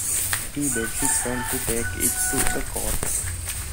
He begs his friend to take it to the court.